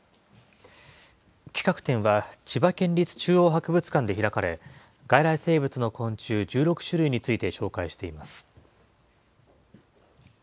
企画展は千葉県立中央博物館で開かれ、外来生物の昆虫１６種類について紹介しています。